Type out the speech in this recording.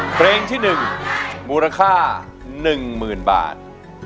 เตรงที่หนึ่งหมูราค่าหนึ่งหมื่นบาท